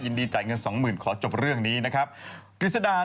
ยินดีจ่ายเงินสองหมื่นขอจบเรื่องนี้นะครับกฤษดา